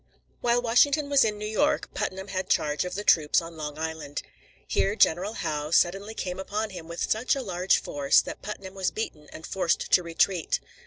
While Washington was in New York, Putnam had charge of the troops on Long Island. Here General Howe suddenly came upon him with such a large force that Putnam was beaten and forced to retreat.